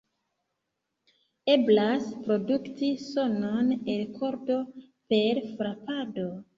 Eblas produkti sonon el kordo per frapado.